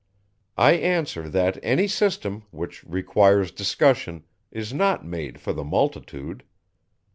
_ I answer, that any system, which requires discussion, is not made for the multitude.